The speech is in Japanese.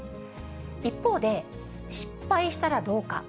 一方で、失敗したらどうか。